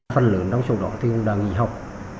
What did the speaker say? phần lớn trong số đó thì đã nghỉ học